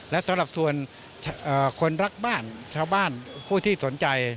และสำหรับส่วนคนรักบ้านชาวบ้านผู้ที่สนใจ